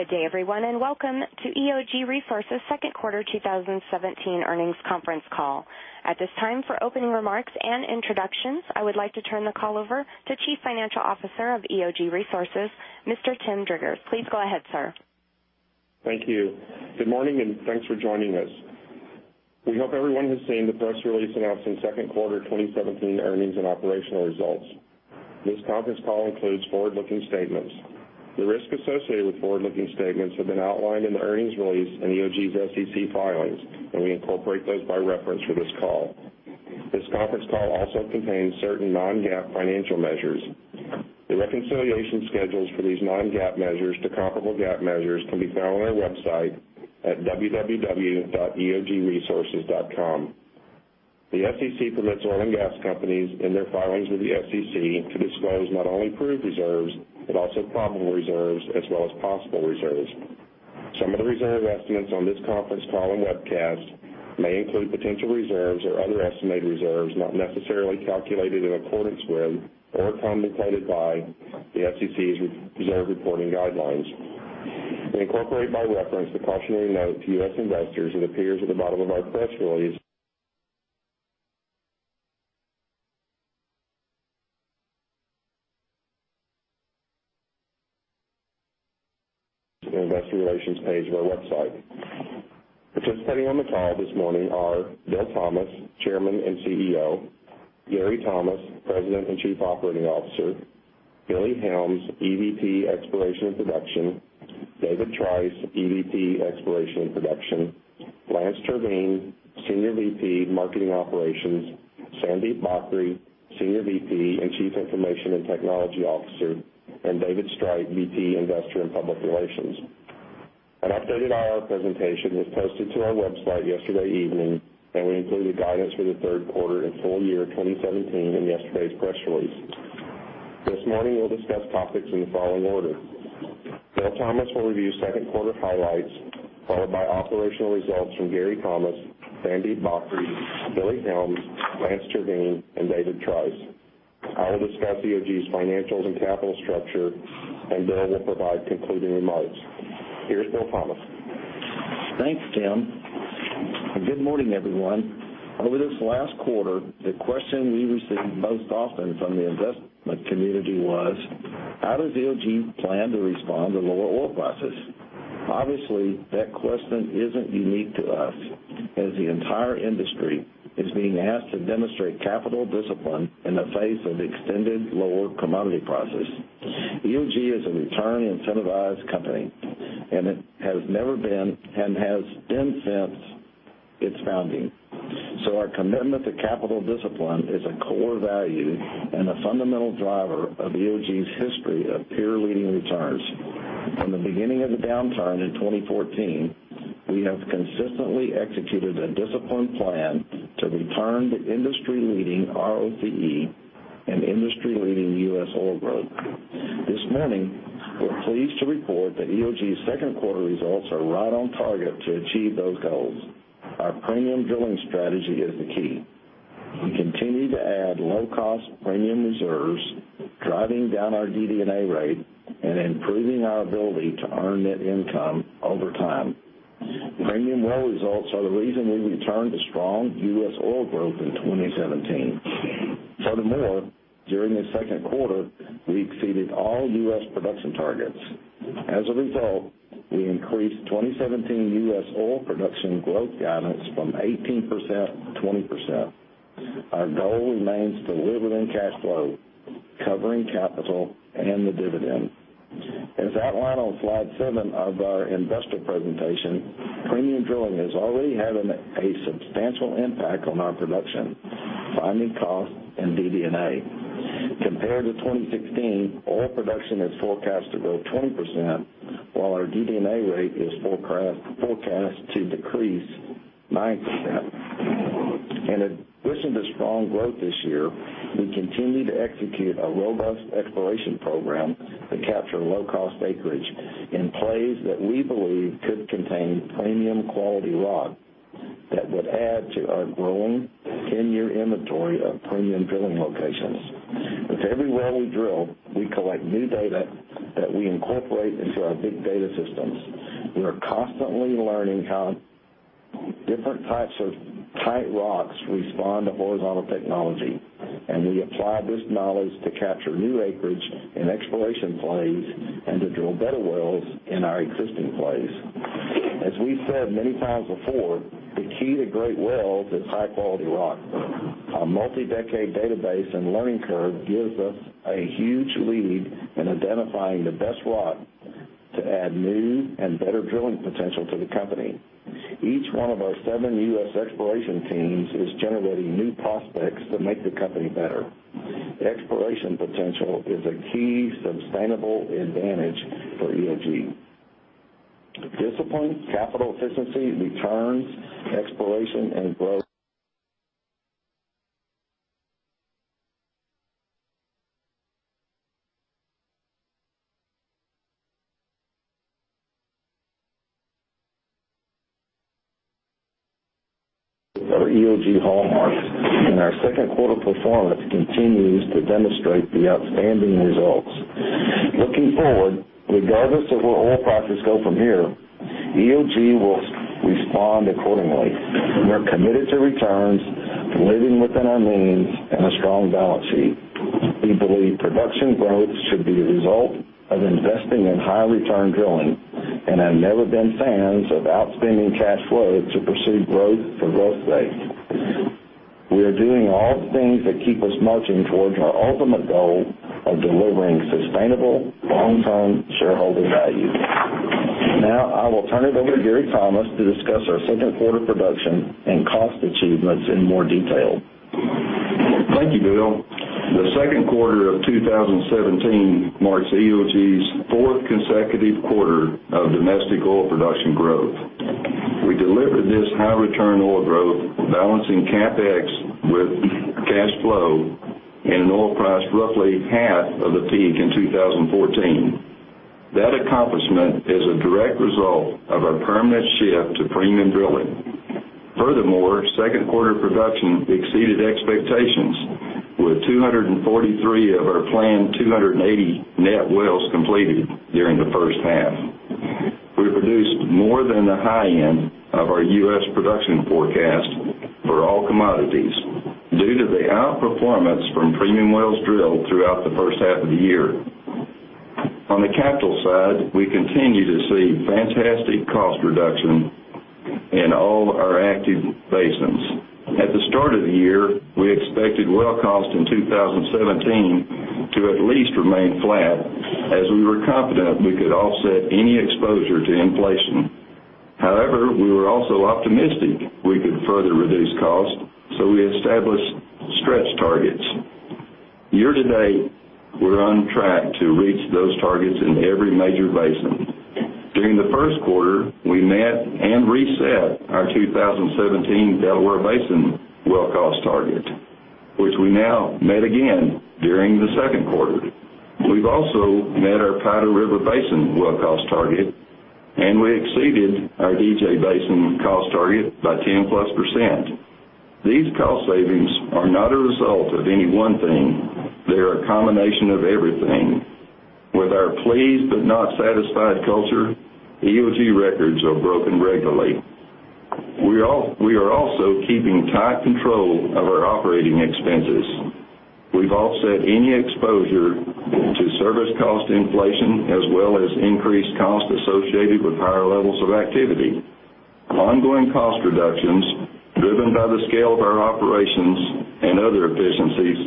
Good day everyone. Welcome to EOG Resources' second quarter 2017 earnings conference call. At this time, for opening remarks and introductions, I would like to turn the call over to Chief Financial Officer of EOG Resources, Mr. Tim Driggers. Please go ahead, sir. Thank you. Good morning. Thanks for joining us. We hope everyone has seen the press release announcing second quarter 2017 earnings and operational results. This conference call includes forward-looking statements. The risks associated with forward-looking statements have been outlined in the earnings release in EOG's SEC filings. We incorporate those by reference for this call. This conference call also contains certain non-GAAP financial measures. The reconciliation schedules for these non-GAAP measures to comparable GAAP measures can be found on our website at www.eogresources.com. The SEC permits oil and gas companies in their filings with the SEC to disclose not only proved reserves, also probable reserves, as well as possible reserves. Some of the reserve estimates on this conference call and webcast may include potential reserves or other estimated reserves not necessarily calculated in accordance with or contemplated by the SEC's reserve reporting guidelines. We incorporate by reference the cautionary note to U.S. investors that appears at the bottom of our press release and investor relations page of our website. Participating on the call this morning are Bill Thomas, Chairman and CEO; Gary Thomas, President and Chief Operating Officer; Billy Helms, EVP, Exploration and Production; David Trice, EVP, Exploration and Production; Lance Terveen, Senior VP, Marketing Operations; Sandeep Bhakhri, Senior VP and Chief Information and Technology Officer; and David Strait, VP, Investor and Public Relations. An updated IR presentation was posted to our website yesterday evening. We included guidance for the third quarter and full year 2017 in yesterday's press release. This morning we'll discuss topics in the following order. Bill Thomas will review second quarter highlights, followed by operational results from Gary Thomas, Sandeep Bhakhri, Billy Helms, Lance Terveen, and David Trice. I will discuss EOG's financials and capital structure. Bill will provide concluding remarks. Here's Bill Thomas. Thanks, Tim, good morning everyone. Over this last quarter, the question we received most often from the investment community was how does EOG plan to respond to lower oil prices? Obviously, that question isn't unique to us, as the entire industry is being asked to demonstrate capital discipline in the face of extended lower commodity prices. EOG is a return incentivized company, and has been since its founding. Our commitment to capital discipline is a core value and a fundamental driver of EOG's history of peer-leading returns. From the beginning of the downturn in 2014, we have consistently executed a disciplined plan to return to industry-leading ROCE and industry-leading U.S. oil growth. This morning, we're pleased to report that EOG's second quarter results are right on target to achieve those goals. Our premium drilling strategy is the key. We continue to add low-cost premium reserves, driving down our DD&A rate and improving our ability to earn net income over time. Premium well results are the reason we returned to strong U.S. oil growth in 2017. Furthermore, during the second quarter, we exceeded all U.S. production targets. As a result, we increased 2017 U.S. oil production growth guidance from 18% to 20%. Our goal remains delivering cash flow, covering capital and the dividend. As outlined on slide seven of our investor presentation, premium drilling is already having a substantial impact on our production, finding costs and DD&A. Compared to 2016, oil production is forecast to grow 20%, while our DD&A rate is forecast to decrease 9%. In addition to strong growth this year, we continue to execute a robust exploration program that capture low cost acreage in plays that we believe could contain premium quality rock that would add to our growing 10-year inventory of premium drilling locations. With every well we drill, we collect new data that we incorporate into our big data systems. We are constantly learning how different types of tight rocks respond to horizontal technology, and we apply this knowledge to capture new acreage in exploration plays and to drill better wells in our existing plays. As we've said many times before, the key to great wells is high-quality rock. Our multi-decade database and learning curve gives us a huge lead in identifying the best rock to add new and better drilling potential to the company. Each one of our seven U.S. exploration teams is generating new prospects that make the company better. Exploration potential is a key sustainable advantage for EOG. Discipline, capital efficiency, returns, exploration, and growth. Our EOG hallmarks and our second quarter performance continues to demonstrate the outstanding results. Looking forward, regardless of where oil prices go from here, EOG will respond accordingly. We're committed to returns, to living within our means, and a strong balance sheet. We believe production growth should be a result of investing in high return drilling, have never been fans of outspending cash flow to pursue growth for growth's sake. We are doing all the things that keep us marching towards our ultimate goal of delivering sustainable, long-term shareholder value. Now I will turn it over to Gary Thomas to discuss our second quarter production and cost achievements in more detail. Thank you, Bill. The second quarter of 2017 marks EOG's fourth consecutive quarter of domestic oil production growth. We delivered this high return oil growth balancing CapEx with cash flow and an oil price roughly half of the peak in 2014. That accomplishment is a direct result of a permanent shift to premium drilling. Furthermore, second quarter production exceeded expectations, with 243 of our planned 280 net wells completed during the first half. We produced more than the high end of our U.S. production forecast for all commodities due to the outperformance from premium wells drilled throughout the first half of the year. On the capital side, we continue to see fantastic cost reduction in all our active basins. At the start of the year, we expected well cost in 2017 to at least remain flat, as we were confident we could offset any exposure to inflation. We were also optimistic we could further reduce cost, so we established stretch targets. Year-to-date, we're on track to reach those targets in every major basin. During the first quarter, we met and reset our 2017 Delaware Basin well cost target, which we now met again during the second quarter. We've also met our Powder River Basin well cost target, and we exceeded our DJ Basin cost target by 10+%. These cost savings are not a result of any one thing. They're a combination of everything. With our pleased but not satisfied culture, EOG records are broken regularly. We are also keeping tight control of our operating expenses. We've offset any exposure to service cost inflation, as well as increased cost associated with higher levels of activity. Ongoing cost reductions driven by the scale of our operations and other efficiencies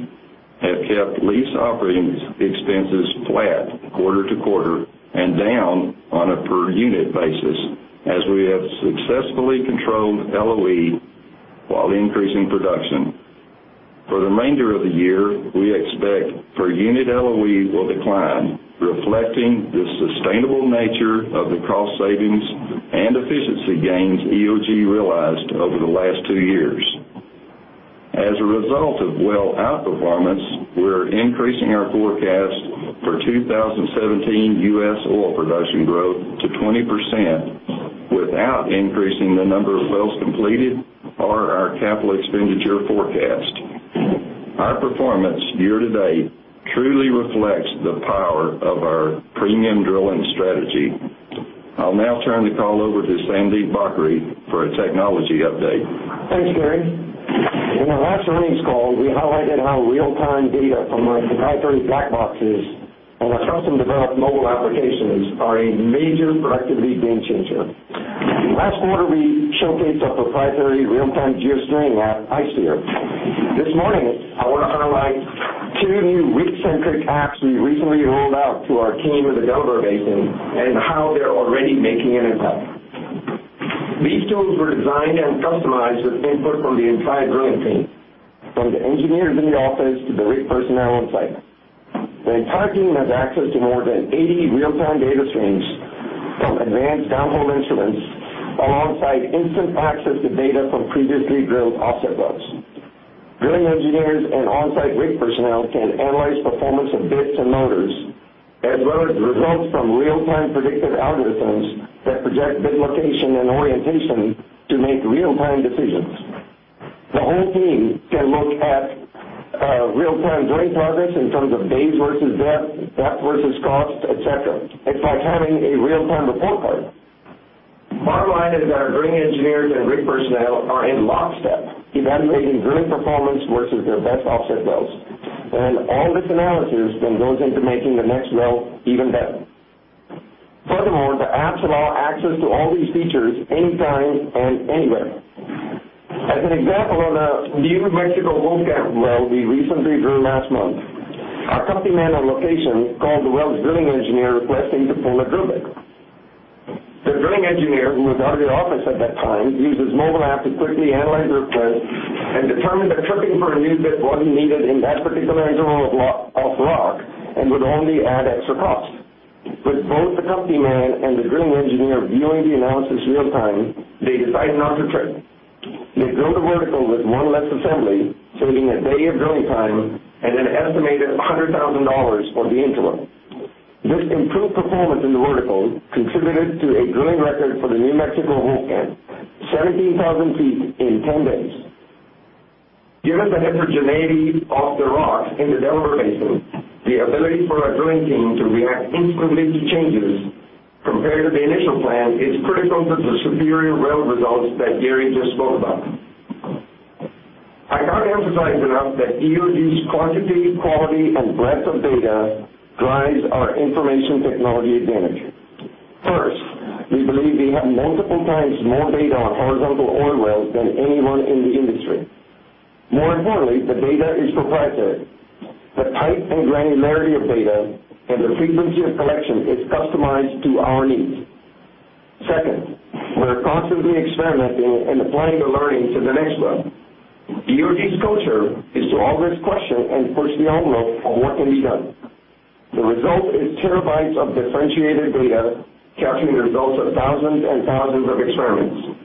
have kept lease operating expenses flat quarter-to-quarter and down on a per unit basis as we have successfully controlled LOE while increasing production. For the remainder of the year, we expect per unit LOE will decline, reflecting the sustainable nature of the cost savings and efficiency gains EOG realized over the last two years. As a result of well outperformance, we're increasing our forecast for 2017 U.S. oil production growth to 20% without increasing the number of wells completed or our capital expenditure forecast. Our performance year-to-date truly reflects the power of our premium drilling strategy. I'll now turn the call over to Sandeep Bhakhri for a technology update. Thanks, Gary. In our last earnings call, we highlighted how real-time data from our proprietary black boxes and our custom-developed mobile applications are a major productivity game changer. Last quarter, we showcased our proprietary real-time geosteering app, iSeer. This morning, I want to highlight two new rig-centric apps we recently rolled out to our team in the Delaware Basin and how they're already making an impact. These tools were designed and customized with input from the entire drilling team, from the engineers in the office to the rig personnel on site. The entire team has access to more than 80 real-time data streams from advanced downhole instruments, alongside instant access to data from previously drilled offset wells. Drilling engineers and on-site rig personnel can analyze performance of bits and motors, as well as results from real-time predictive algorithms that project bit location and orientation to make real-time decisions. The whole team can look at real-time drill progress in terms of days versus depth versus cost, et cetera. It's like having a real-time report card. Bottom line is our drilling engineers and rig personnel are in lockstep, evaluating drill performance versus their best offset wells, all this analysis then goes into making the next well even better. Furthermore, the apps allow access to all these features anytime and anywhere. As an example of a New Mexico Wolfcamp well we recently drilled last month, our company man on location called the well's drilling engineer requesting to pull a drill bit. The drilling engineer, who was out of the office at that time, used his mobile app to quickly analyze the request and determined that tripping for a new bit wasn't needed in that particular interval of rock and would only add extra cost. With both the company man and the drilling engineer viewing the analysis real-time, they decided not to trip. They drilled a vertical with one less assembly, saving a day of drilling time and an estimated $100,000 for the interval. This improved performance in the vertical contributed to a drilling record for the New Mexico Wolfcamp, 17,000 feet in 10 days. Given the heterogeneity of the rocks in the Delaware Basin, the ability for our drilling team to react instantly to changes compared to the initial plan is critical to the superior well results that Gary just spoke about. I can't emphasize enough that EOG's quantitative quality and breadth of data drives our information technology advantage. First, we believe we have multiple times more data on horizontal oil wells than anyone in the industry. More importantly, the data is proprietary. The type and granularity of data and the frequency of collection is customized to our needs. Second, we're constantly experimenting and applying the learning to the next well. EOG's culture is to always question and push the envelope on what can be done. The result is terabytes of differentiated data capturing the results of thousands and thousands of experiments.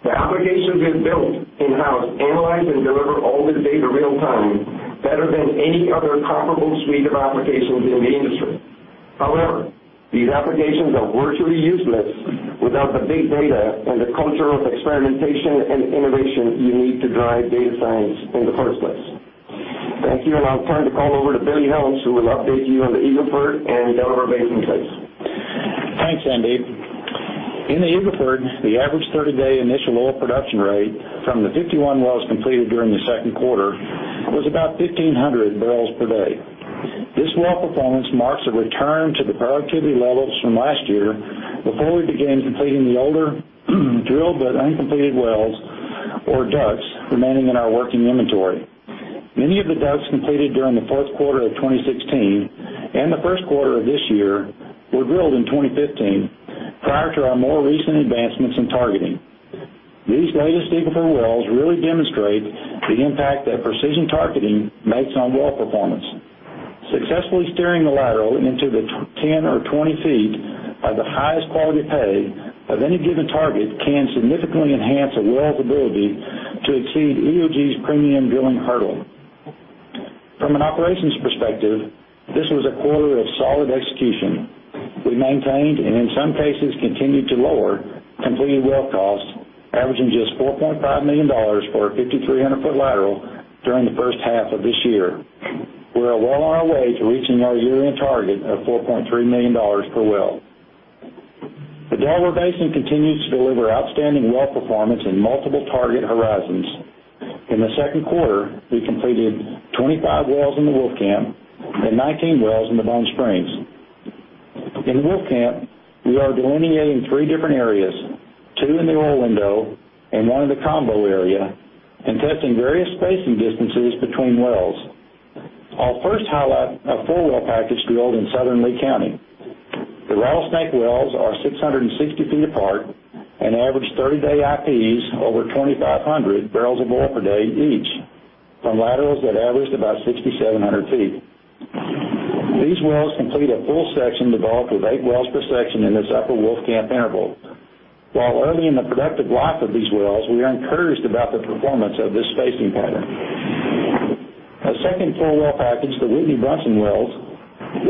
The applications we've built in-house analyze and deliver all this data real time better than any other comparable suite of applications in the industry. However, these applications are virtually useless without the big data and the culture of experimentation and innovation you need to drive data science in the first place. Thank you. I'll turn the call over to Billy Helms, who will update you on the Eagle Ford and Delaware Basin plays. Thanks, Sandeep. In the Eagle Ford, the average 30-day initial oil production rate from the 51 wells completed during the second quarter was about 1,500 barrels per day. This well performance marks a return to the productivity levels from last year before we began completing the older drilled but uncompleted wells or DUCs remaining in our working inventory. Many of the DUCs completed during the fourth quarter of 2016 and the first quarter of this year were drilled in 2015 prior to our more recent advancements in targeting. These latest Eagle Ford wells really demonstrate the impact that precision targeting makes on well performance. Successfully steering the lateral into the 10 or 20 feet of the highest quality pay of any given target can significantly enhance a well's ability to exceed EOG's premium drilling hurdle. From an operations perspective, this was a quarter of solid execution. We maintained, and in some cases, continued to lower completed well costs, averaging just $4.5 million for a 5,300-foot lateral during the first half of this year. We are well on our way to reaching our year-end target of $4.3 million per well. The Delaware Basin continues to deliver outstanding well performance in multiple target horizons. In the second quarter, we completed 25 wells in the Wolfcamp and 19 wells in the Bone Springs. In Wolfcamp, we are delineating three different areas, two in the oil window and one in the combo area, and testing various spacing distances between wells. I'll first highlight a four-well package drilled in southern Lee County. The Rattlesnake wells are 660 feet apart and average 30-day IPs over 2,500 barrels of oil per day each from laterals that averaged about 6,700 feet. These wells complete a full section developed with eight wells per section in this upper Wolfcamp interval. While early in the productive life of these wells, we are encouraged about the performance of this spacing pattern. A second four-well package, the Whitney Brunson wells,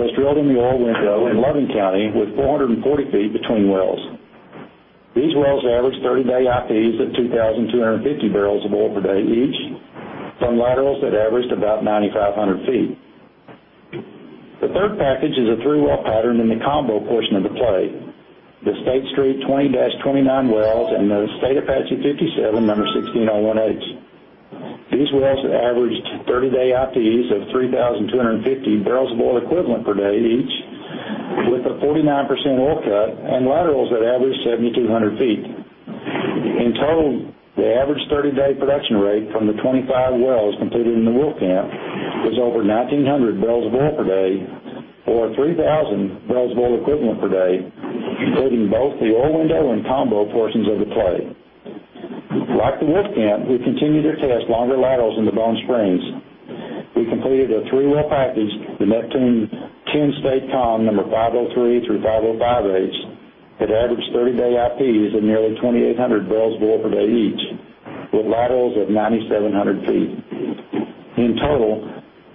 was drilled in the oil window in Loving County with 440 feet between wells. These wells average 30-day IPs at 2,250 barrels of oil per day each from laterals that averaged about 9,500 feet. The third package is a three-well pattern in the combo portion of the play. The State Street 20-29 wells and the State Apache 57 number 1601H. These wells averaged 30-day IPs of 3,250 barrels of oil equivalent per day each, with a 49% oil cut and laterals that averaged 7,200 feet. In total, the average 30-day production rate from the 25 wells completed in the Wolfcamp was over 1,900 barrels of oil per day or 3,000 barrels of oil equivalent per day, including both the oil window and combo portions of the play. Like the Wolfcamp, we continue to test longer laterals in the Bone Springs. We completed a three-well package, the Neptune 10 State Com number 503 through 505H, that averaged 30-day IPs of nearly 2,800 barrels of oil per day each, with laterals of 9,700 feet. In total,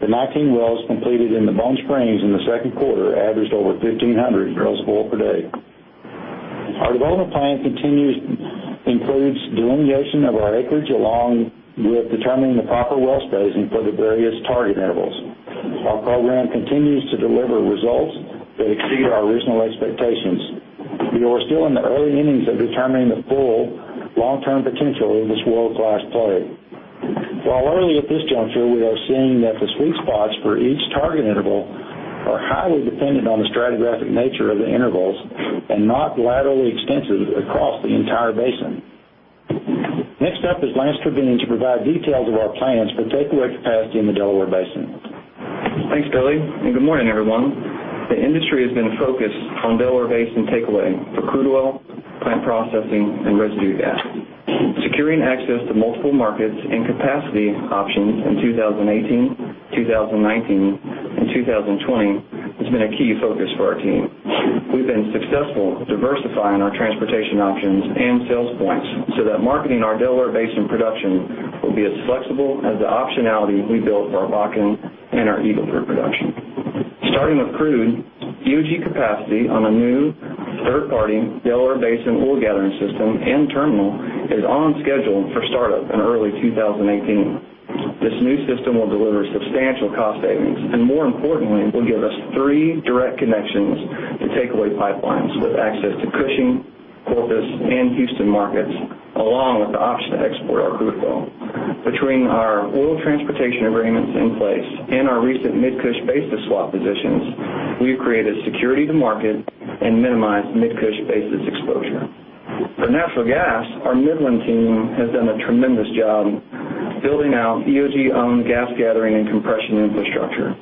the 19 wells completed in the Bone Springs in the second quarter averaged over 1,500 barrels of oil per day. Our development plan includes delineation of our acreage along with determining the proper well spacing for the various target intervals. Our program continues to deliver results that exceed our original expectations. We are still in the early innings of determining the full long-term potential of this world-class play. While early at this juncture, we are seeing that the sweet spots for each target interval are highly dependent on the stratigraphic nature of the intervals and not laterally extensive across the entire basin. Next up is Lance Terveen to provide details of our plans for takeaway capacity in the Delaware Basin. Thanks, Billy, and good morning, everyone. The industry has been focused on Delaware Basin takeaway for crude oil, plant processing, and residue gas. Securing access to multiple markets and capacity options in 2018, 2019, and 2020 has been a key focus for our team. We've been successful diversifying our transportation options and sales points so that marketing our Delaware Basin production will be as flexible as the optionality we built for our Bakken and our Eagle Ford production. Starting with crude, EOG capacity on a new third-party Delaware Basin oil gathering system and terminal is on schedule for startup in early 2018. This new system will deliver substantial cost savings, and more importantly, will give us three direct connections to takeaway pipelines with access to Cushing, Corpus, and Houston markets, along with the option to export our crude oil. Between our oil transportation agreements in place and our recent Mid-Cush basis swap positions, we've created security to market and minimized Mid-Cush basis exposure. For natural gas, our Midland team has done a tremendous job building out EOG-owned gas gathering and compression infrastructure.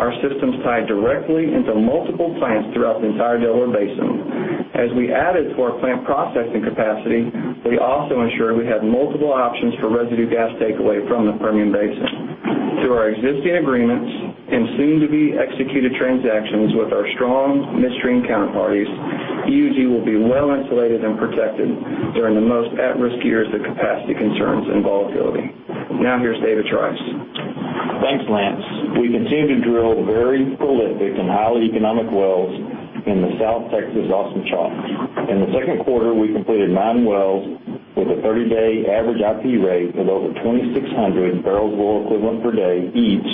Our systems tie directly into multiple plants throughout the entire Delaware Basin. As we added to our plant processing capacity, we also ensured we had multiple options for residue gas takeaway from the Permian Basin. Through our existing agreements and soon-to-be-executed transactions with our strong midstream counterparties, EOG will be well-insulated and protected during the most at-risk years of capacity concerns and volatility. Now here's David Trice. Thanks, Lance. We continue to drill very prolific and highly economic wells in the South Texas Austin Chalk. In the second quarter, we completed nine wells with a 30-day average IP rate of over 2,600 barrels of oil equivalent per day each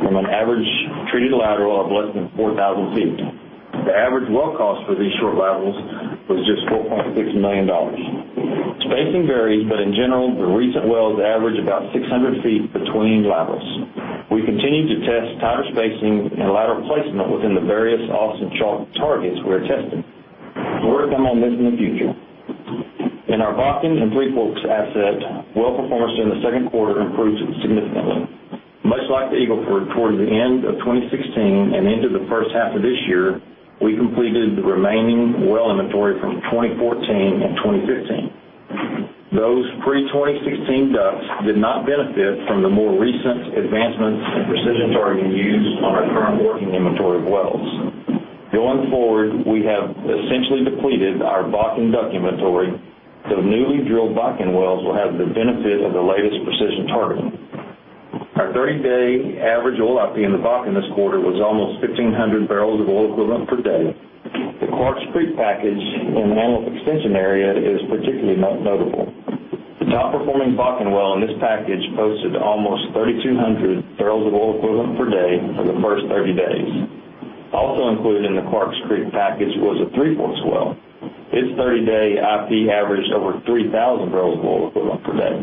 from an average treated lateral of less than 4,000 feet. The average well cost for these short laterals was just $4.6 million. Spacing varies, but in general, the recent wells average about 600 feet between laterals. We continue to test tighter spacing and lateral placement within the various Austin Chalk targets we are testing. More to come on this in the future. In our Bakken and Three Forks asset, well performance in the second quarter improved significantly. Much like the Eagle Ford toward the end of 2016 and into the first half of this year, we completed the remaining well inventory from 2014 and 2015. Those pre-2016 DUCs did not benefit from the more recent advancements in precision targeting used on our current working inventory of wells. Going forward, we have essentially depleted our Bakken DUC inventory, so newly drilled Bakken wells will have the benefit of the latest precision targeting. Our 30-day average oil IP in the Bakken this quarter was almost 1,500 barrels of oil equivalent per day. The Clarks Creek package in the Anvil extension area is particularly notable. The top-performing Bakken well in this package posted almost 3,200 barrels of oil equivalent per day for the first 30 days. Also included in the Clarks Creek package was a Three Forks well. Its 30-day IP averaged over 3,000 barrels of oil equivalent per day.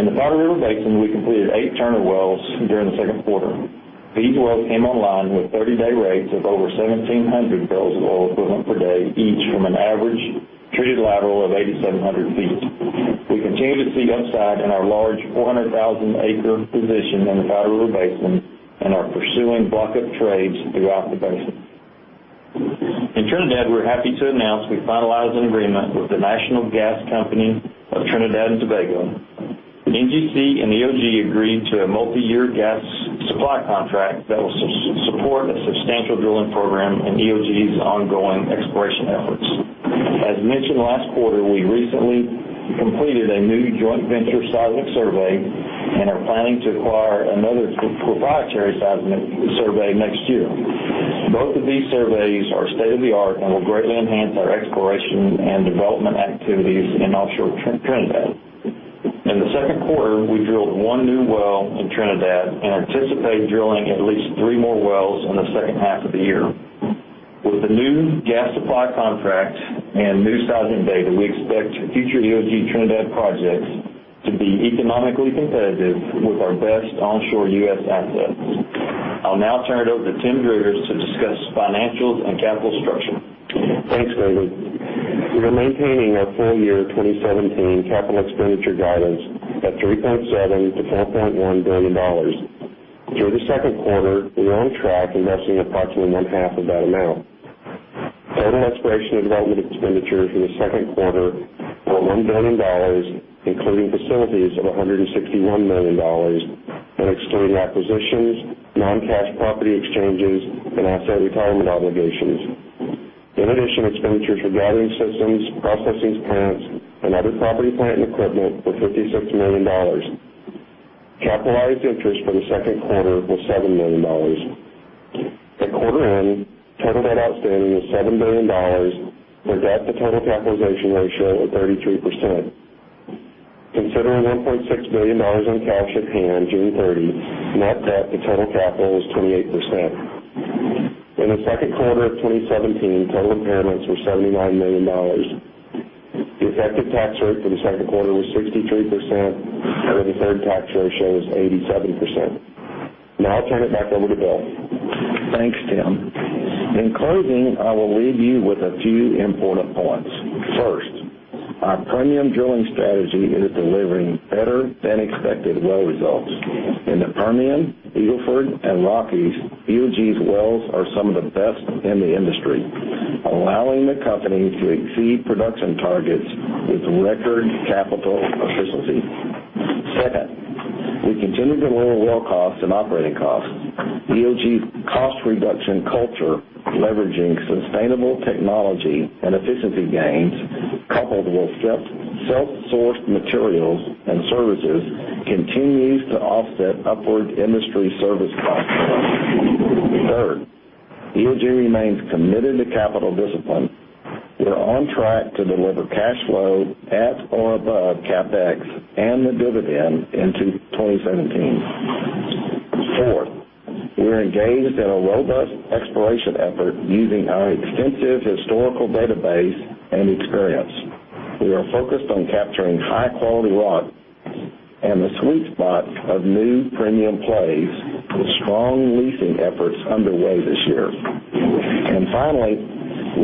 In the Powder River Basin, we completed eight Turner wells during the second quarter. These wells came online with 30-day rates of over 1,700 barrels of oil equivalent per day each from an average treated lateral of 8,700 feet. We continue to see upside in our large 400,000-acre position in the Powder River Basin and are pursuing block-up trades throughout the basin. In Trinidad, we're happy to announce we finalized an agreement with The National Gas Company of Trinidad and Tobago. NGC and EOG agreed to a multi-year gas supply contract that will support a substantial drilling program in EOG's ongoing exploration efforts. As mentioned last quarter, we recently completed a new joint venture seismic survey and are planning to acquire another proprietary seismic survey next year. Both of these surveys are state-of-the-art and will greatly enhance our exploration and development activities in offshore Trinidad. In the second quarter, we drilled one new well in Trinidad and anticipate drilling at least three more wells in the second half of the year. With the new gas supply contract and new seismic data, we expect future EOG Trinidad projects to be economically competitive with our best onshore U.S. assets. I'll now turn it over to Tim Driggers to discuss financials and capital structure. Thanks, David. We are maintaining our full year 2017 capital expenditure guidance at $3.7 billion-$4.1 billion. Through the second quarter, we're on track investing approximately one half of that amount. Total exploration and development expenditures in the second quarter were $1 billion, including facilities of $161 million and excluding acquisitions, non-cash property exchanges, and asset retirement obligations. In addition, expenditures for gathering systems, processing plants, and other property, plant, and equipment were $56 million. Capitalized interest for the second quarter was $7 million. At quarter end, total debt outstanding was $7 billion, for a debt-to-total capitalization ratio of 33%. Considering $1.6 billion in cash at hand June 30, net debt to total capital is 28%. In the second quarter of 2017, total impairments were $79 million. The effective tax rate for the second quarter was 63%, and the deferred tax ratio was 87%. I'll turn it back over to Bill. Thanks, Tim. In closing, I will leave you with a few important points. First, our premium drilling strategy is delivering better-than-expected well results. In the Permian, Eagle Ford, and Rockies, EOG's wells are some of the best in the industry, allowing the company to exceed production targets with record capital efficiency. Second, we continue to lower well costs and operating costs. EOG cost reduction culture, leveraging sustainable technology and efficiency gains, coupled with self-sourced materials and services, continues to offset upward industry service costs. Third, EOG remains committed to capital discipline. We're on track to deliver cash flow at or above CapEx and the dividend into 2017. Fourth, we are engaged in a robust exploration effort using our extensive historical database and experience. We are focused on capturing high-quality rock and the sweet spot of new premium plays with strong leasing efforts underway this year. Finally,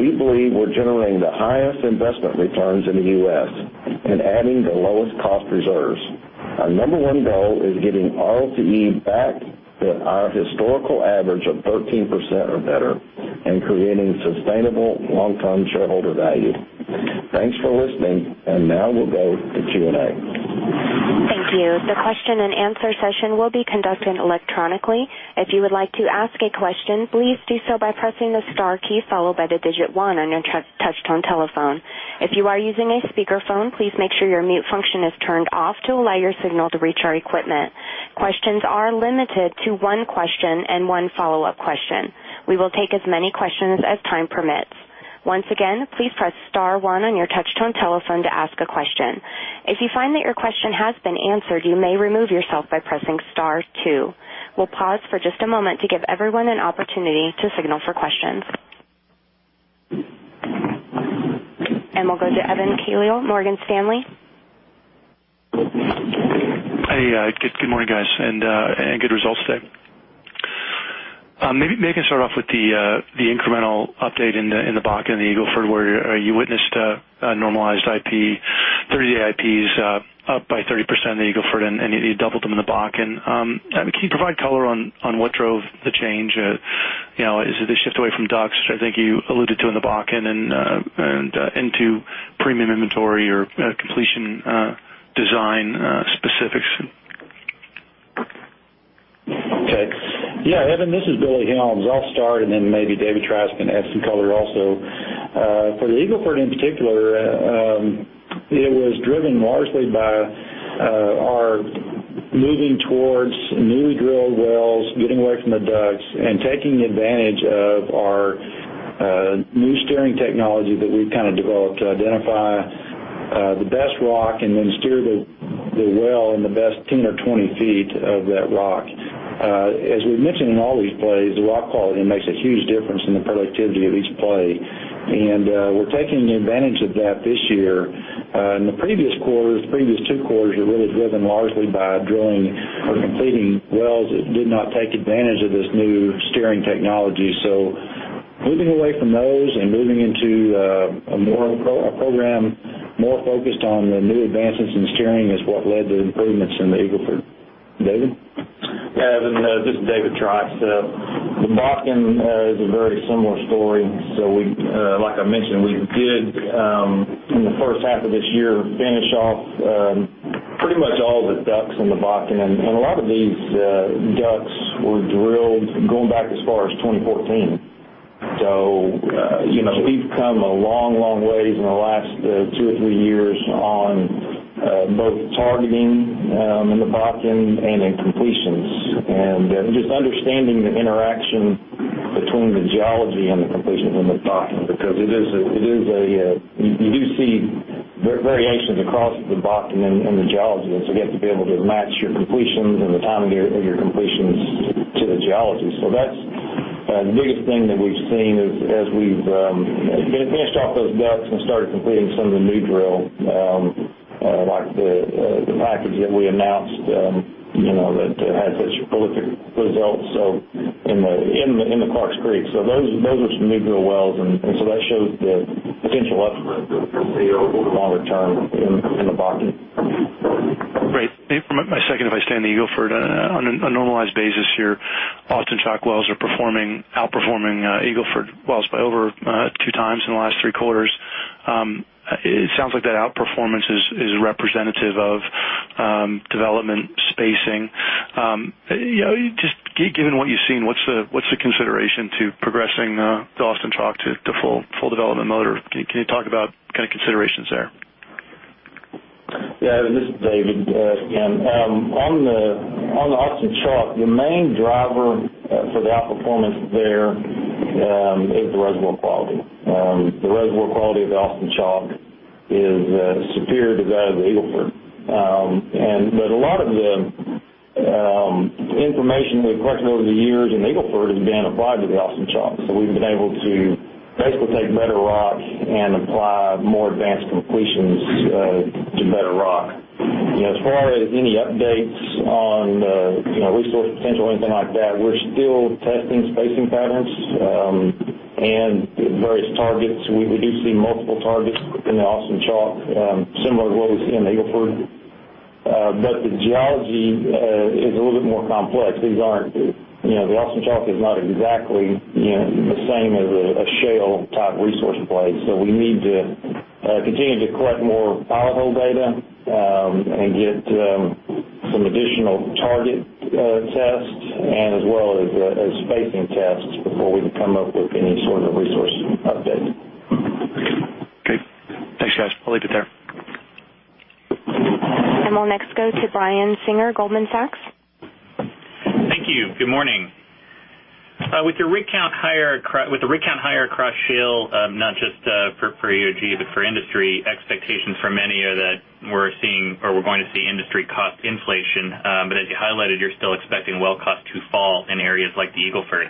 we believe we're generating the highest investment returns in the U.S. and adding the lowest cost reserves. Our number one goal is getting ROCE back to our historical average of 13% or better and creating sustainable long-term shareholder value. Thanks for listening, and now we'll go to Q&A. Thank you. The question and answer session will be conducted electronically. If you would like to ask a question, please do so by pressing the star key followed by the digit 1 on your touchtone telephone. If you are using a speakerphone, please make sure your mute function is turned off to allow your signal to reach our equipment. Questions are limited to one question and one follow-up question. We will take as many questions as time permits. Once again, please press star one on your touchtone telephone to ask a question. If you find that your question has been answered, you may remove yourself by pressing star two. We'll pause for just a moment to give everyone an opportunity to signal for questions. We'll go to Evan Calio, Morgan Stanley. Hey, good morning, guys, and good results today. Maybe I can start off with the incremental update in the Bakken and the Eagle Ford, where you witnessed a normalized IP, 30-day IPs up by 30% in the Eagle Ford, and you doubled them in the Bakken. Can you provide color on what drove the change? Is it the shift away from DUCs, which I think you alluded to in the Bakken, and into premium inventory or completion design specifics? Okay. Yeah, Evan, this is Billy Helms. I'll start, and then maybe David Trice can add some color also. For the Eagle Ford, in particular, it was driven largely by our moving towards newly drilled wells, getting away from the DUCs, and taking advantage of our new steering technology that we've developed to identify the best rock and then steer the well in the best 10 or 20 feet of that rock. As we've mentioned in all these plays, the rock quality makes a huge difference in the productivity of each play, and we're taking advantage of that this year. In the previous quarters, the previous two quarters are really driven largely by drilling or completing wells that did not take advantage of this new steering technology. Moving away from those and moving into a program more focused on the new advancements in steering is what led to the improvements in the Eagle Ford. David? Evan, this is David Trice. The Bakken is a very similar story. Like I mentioned, we did, in the first half of this year, finish off pretty much all the DUCs in the Bakken, and a lot of these DUCs were drilled going back as far as 2014. We've come a long ways in the last two or three years on both targeting in the Bakken and in completions, and just understanding the interaction between the geology and the completion in the Bakken, because you do see variations across the Bakken in the geology. You have to be able to match your completions and the timing of your completions to the geology. That's the biggest thing that we've seen as we've finished off those DUCs and started completing some of the new drill, like the package that we announced that had such prolific results in the Clarks Creek. Those are some new drill wells, that shows the potential upside over the longer term in the Bakken. Great. Maybe for my second, if I stay in the Eagle Ford. On a normalized basis here, Austin Chalk wells are outperforming Eagle Ford wells by over two times in the last three quarters. It sounds like that outperformance is representative of development spacing. Just given what you've seen, what's the consideration to progressing the Austin Chalk to full development mode? Can you talk about considerations there? Yeah, Evan, this is David again. On the Austin Chalk, the main driver for the outperformance there is the reservoir quality. The reservoir quality of the Austin Chalk is superior to that of the Eagle Ford. A lot of the information we've collected over the years in Eagle Ford has been applied to the Austin Chalk. We've been able to basically take better rock and apply more advanced completions to better rock. As far as any updates on resource potential or anything like that, we're still testing spacing patterns and various targets. We do see multiple targets in the Austin Chalk, similar to what we see in Eagle Ford. The geology A little more complex. The Austin Chalk is not exactly the same as a shale type resource play. We need to continue to collect more pilot hole data, and get some additional target tests, and as well as spacing tests before we can come up with any sort of resource update. Okay. Thanks, guys. I'll leave it there. We'll next go to Brian Singer, Goldman Sachs. Thank you. Good morning. With the rig count higher across shale, not just for EOG, but for industry, expectations for many are that we're seeing, or we're going to see industry cost inflation. As you highlighted, you're still expecting well cost to fall in areas like the Eagle Ford.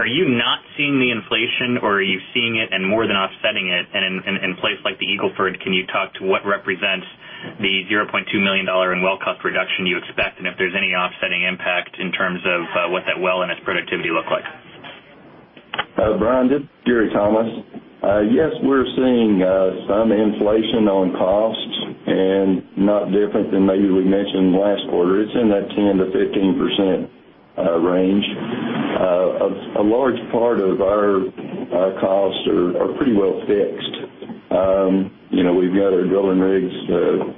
Are you not seeing the inflation, or are you seeing it and more than offsetting it? In places like the Eagle Ford, can you talk to what represents the $0.2 million in well cost reduction you expect, and if there's any offsetting impact in terms of what that well and its productivity look like? Brian, this is Gary Thomas. Yes, we're seeing some inflation on costs and not different than maybe we mentioned last quarter. It's in that 10%-15% range. A large part of our costs are pretty well fixed. We've got our drilling rigs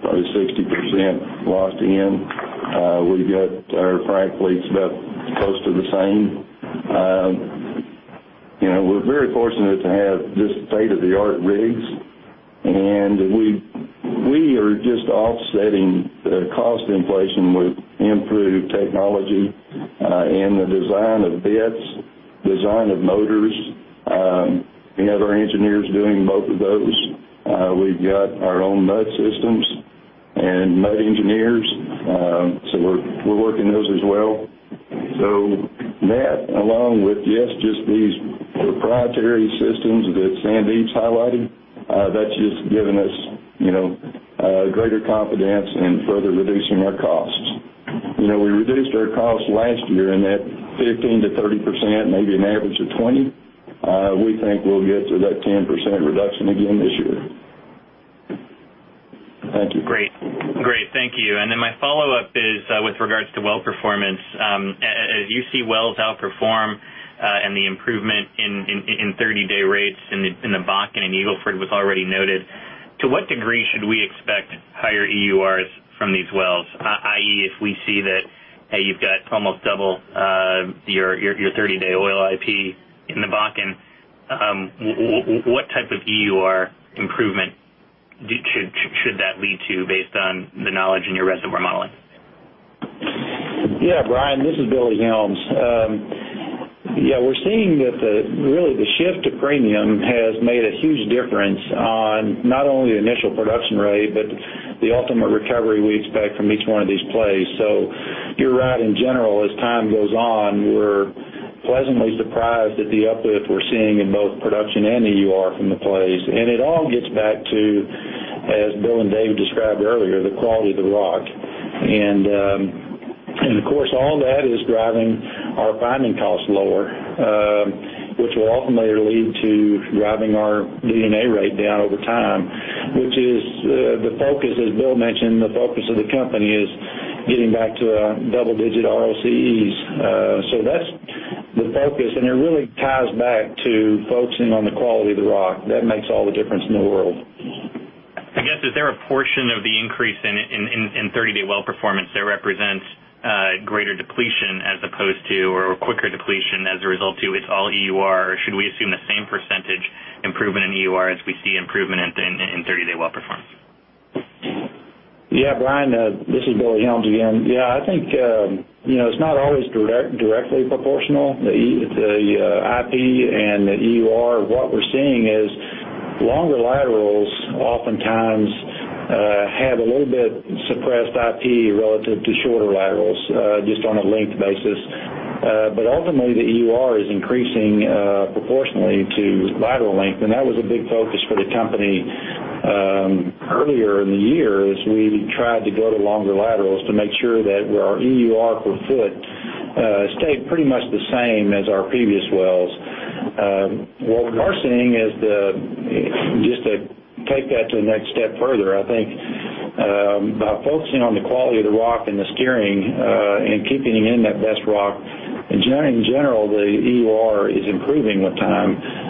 probably 60% locked in. We've got our frac fleets about close to the same. We're very fortunate to have just state-of-the-art rigs, and we are just offsetting the cost inflation with improved technology, in the design of bits, design of motors. We have our engineers doing both of those. We've got our own mud systems and mud engineers. We're working those as well. That, along with, yes, just these proprietary systems that Sandeep's highlighted, that's just given us greater confidence in further reducing our costs. We reduced our costs last year in that 15%-30%, maybe an average of 20. We think we'll get to that 10% reduction again this year. Thank you. Great. Thank you. My follow-up is with regards to well performance. As you see wells outperform, and the improvement in 30-day rates in the Bakken and Eagle Ford was already noted, to what degree should we expect higher EURs from these wells? i.e., if we see that you've got almost double your 30-day oil IP in the Bakken, what type of EUR improvement should that lead to based on the knowledge in your reservoir modeling? Brian, this is Billy Helms. We're seeing that really the shift to premium has made a huge difference on not only the initial production rate, but the ultimate recovery we expect from each one of these plays. You're right. In general, as time goes on, we're pleasantly surprised at the uplift we're seeing in both production and EUR from the plays. It all gets back to, as Bill and David described earlier, the quality of the rock. Of course, all that is driving our finding costs lower, which will ultimately lead to driving our DD&A rate down over time, which is the focus, as Bill mentioned, the focus of the company is getting back to double-digit ROCEs. That's the focus, and it really ties back to focusing on the quality of the rock. That makes all the difference in the world. I guess, is there a portion of the increase in 30-day well performance that represents greater depletion as opposed to, or quicker depletion as a result to it's all EUR, or should we assume the same percentage improvement in EUR as we see improvement in 30-day well performance? Brian, this is Billy Helms again. I think it's not always directly proportional, the IP and the EUR. What we're seeing is longer laterals oftentimes have a little bit suppressed IP relative to shorter laterals, just on a length basis. Ultimately, the EUR is increasing proportionally to lateral length, and that was a big focus for the company earlier in the year, as we tried to go to longer laterals to make sure that our EUR per foot stayed pretty much the same as our previous wells. What we are seeing is, just to take that to the next step further, I think, by focusing on the quality of the rock and the steering, and keeping in that best rock, in general, the EUR is improving with time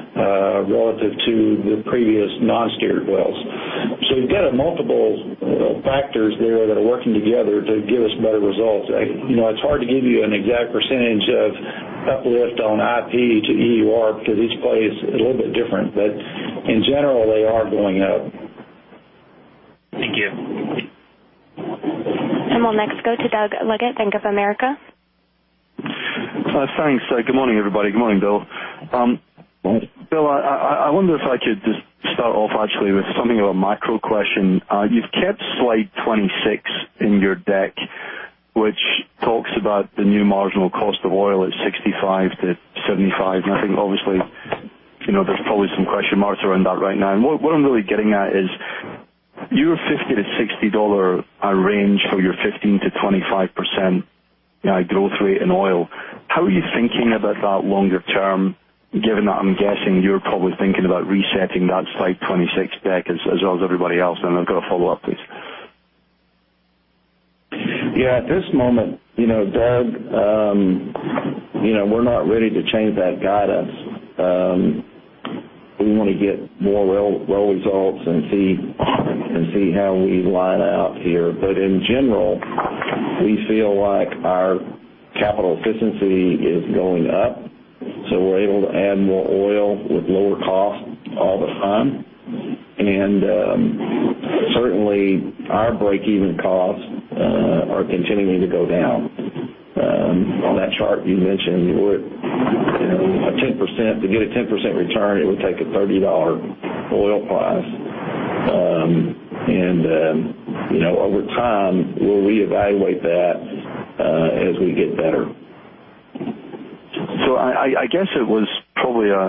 relative to the previous non-steered wells. You've got multiple factors there that are working together to give us better results. It's hard to give you an exact percentage of uplift on IP to EUR because each play is a little bit different. In general, they are going up. Thank you. We'll next go to Doug Leggate, Bank of America. Thanks. Good morning, everybody. Good morning, Bill. Morning. Bill, I wonder if I could just start off actually with something of a macro question. You've kept Slide 26 in your deck, which talks about the new marginal cost of oil at $65-$75. I think obviously, there's probably some question marks around that right now. What I'm really getting at is your $50-$60 range for your 15%-25% growth rate in oil. How are you thinking about that longer term, given that I'm guessing you're probably thinking about resetting that Slide 26 deck as well as everybody else? I've got a follow-up, please. Yeah. At this moment, Doug, we're not ready to change that guidance. We want to get more well results and see how we line out here. In general, we feel like our capital efficiency is going up, so we're able to add more oil with lower cost all the time. Certainly, our breakeven costs are continuing to go down. On that chart you mentioned, to get a 10% return, it would take a $30 oil price. Over time, we'll reevaluate that as we get better. I guess it was probably a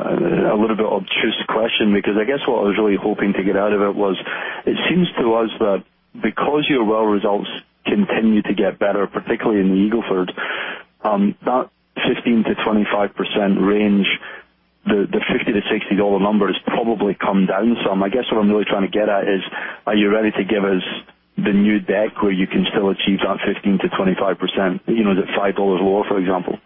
little bit of a obtuse question, because I guess what I was really hoping to get out of it was, it seems to us that because your well results continue to get better, particularly in the Eagle Ford, that 15%-25% range, the $50-$60 number has probably come down some. I guess what I'm really trying to get at is, are you ready to give us the new deck where you can still achieve that 15%-25% at $5 lower, for example?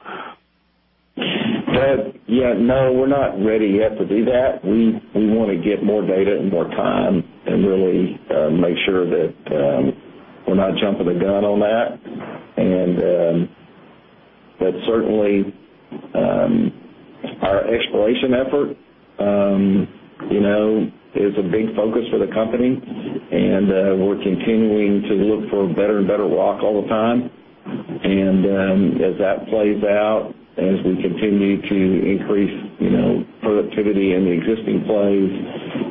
Doug, yeah, no, we're not ready yet to do that. We want to get more data and more time and really make sure that we're not jumping the gun on that. Certainly, our exploration effort is a big focus for the company, we're continuing to look for better and better rock all the time. As that plays out, as we continue to increase productivity in the existing plays,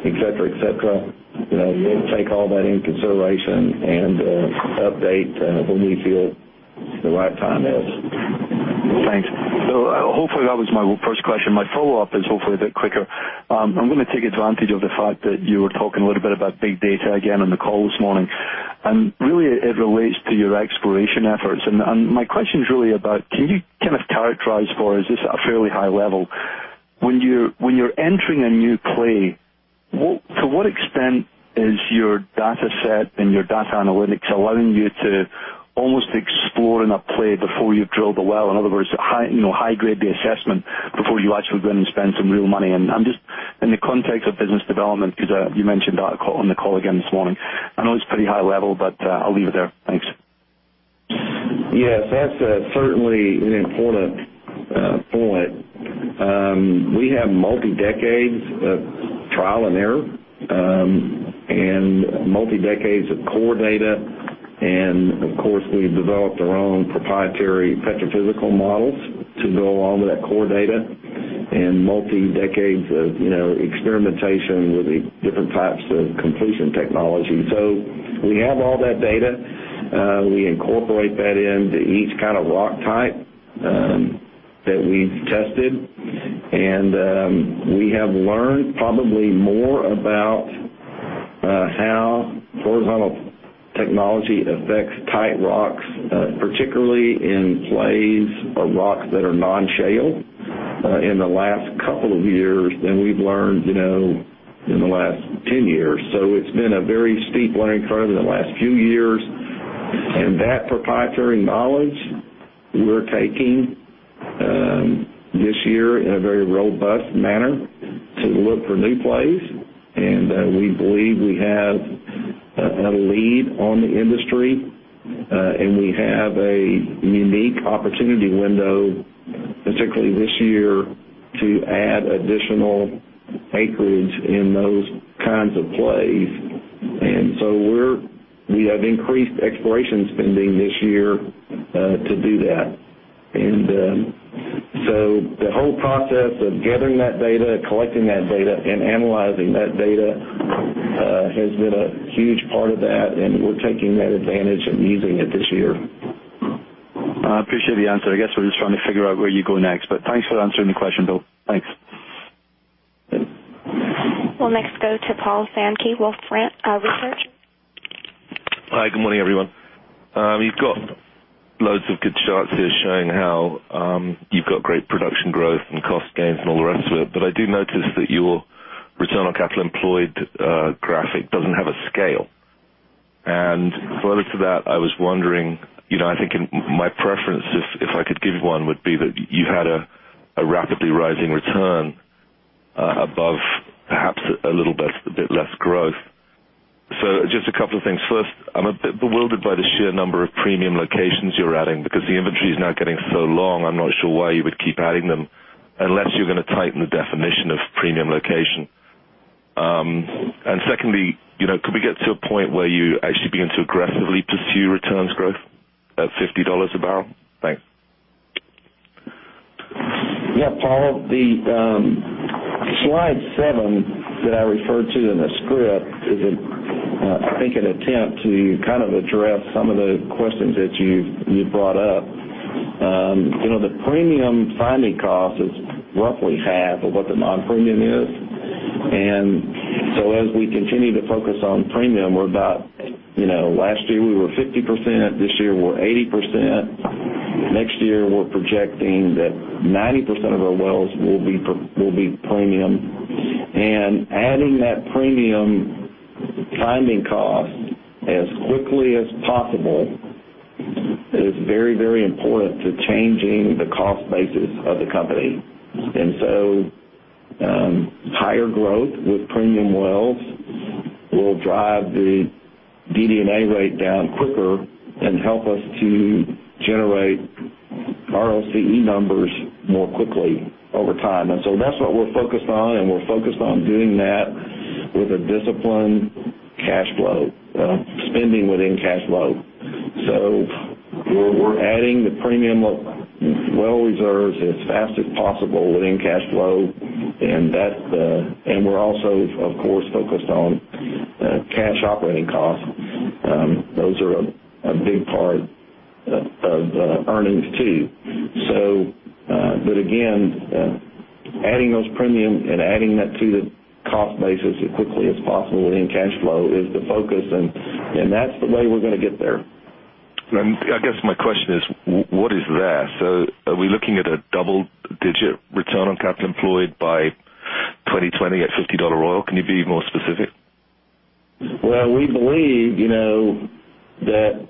et cetera. We'll take all that into consideration and update when we feel the right time is. Thanks. Hopefully, that was my first question. My follow-up is hopefully a bit quicker. I'm going to take advantage of the fact that you were talking a little bit about big data again on the call this morning, and really it relates to your exploration efforts. My question is really about, can you characterize for us, just at a fairly high level, when you're entering a new play, to what extent is your data set and your data analytics allowing you to almost explore in a play before you've drilled a well? In other words, high-grade the assessment before you actually go in and spend some real money. Just in the context of business development, because you mentioned that on the call again this morning. I know it's pretty high level, but I'll leave it there. Thanks. Yes, that's certainly an important point. We have multi-decades of trial and error, multi-decades of core data, and of course, we've developed our own proprietary petrophysical models to go along with that core data, and multi-decades of experimentation with the different types of completion technology. We have all that data. We incorporate that into each kind of rock type that we've tested. We have learned probably more about how horizontal technology affects tight rocks, particularly in plays or rocks that are non-shale in the last couple of years than we've learned in the last 10 years. It's been a very steep learning curve in the last few years. That proprietary knowledge we're taking this year in a very robust manner to look for new plays. We believe we have a lead on the industry, and we have a unique opportunity window, particularly this year, to add additional acreage in those kinds of plays. We have increased exploration spending this year to do that. The whole process of gathering that data, collecting that data, and analyzing that data has been a huge part of that, and we're taking that advantage and using it this year. I appreciate the answer. I guess we're just trying to figure out where you go next, thanks for answering the question, Bill. Thanks. We'll next go to Paul Sankey, Wolfe Research. Hi, good morning, everyone. You've got loads of good charts here showing how you've got great production growth and cost gains and all the rest of it. I do notice that your Return on Capital Employed graphic doesn't have a scale. As to that, I was wondering, I think my preference, if I could give one, would be that you had a rapidly rising return above perhaps a little bit less growth. Just a couple of things. First, I'm a bit bewildered by the sheer number of premium locations you're adding, because the inventory is now getting so long, I'm not sure why you would keep adding them unless you're going to tighten the definition of premium location. Secondly, could we get to a point where you actually begin to aggressively pursue returns growth at $50 a barrel? Thanks. Yeah, Paul, the slide seven that I referred to in the script is, I think, an attempt to address some of the questions that you brought up. The premium finding cost is roughly half of what the non-premium is. As we continue to focus on premium, last year we were 50%, this year we're 80%. Next year, we're projecting that 90% of our wells will be premium. Adding that premium finding cost as quickly as possible is very, very important to changing the cost basis of the company. Higher growth with premium wells will drive the DD&A rate down quicker and help us to generate ROCE numbers more quickly over time. That's what we're focused on, and we're focused on doing that with a disciplined spending within cash flow. We're adding the premium well reserves as fast as possible within cash flow, and we're also, of course, focused on cash operating costs. Those are a big part of earnings too. Again, adding those premium and adding that to the cost basis as quickly as possible within cash flow is the focus, and that's the way we're going to get there. I guess my question is, what is there? Are we looking at a double-digit return on capital employed by 2020 at $50 oil? Can you be more specific? Well, we believe that